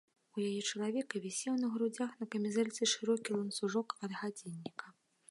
У яе чалавека вісеў на грудзях на камізэльцы шырокі ланцужок ад гадзінніка.